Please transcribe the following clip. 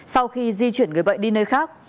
sau khi di chuyển người bệnh đi nơi khác